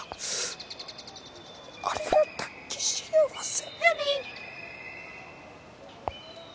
「ありがたき幸せ」。